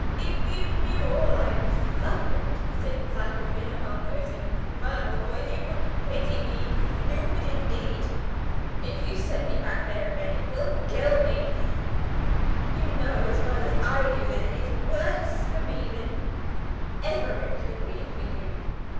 If you knew all I've suffered since I have been among those infernal boys, you would pity me, you would indeed.... If you send me back there again, it will kill me.... You know as well as I do that it is worse for me than ever it could be for you....